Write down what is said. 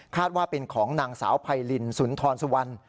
ว่าเป็นของนางสาวไพรินสุนทรสุวรรณ